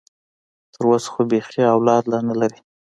تر اوسه خو بيخي اولاد لا نه لري.